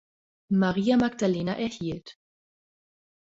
Maria Magdalena erhielt.